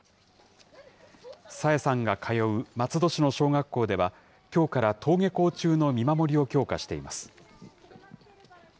朝芽さんが通う松戸市の小学校では、きょうから登下校中の見守りを強化しています。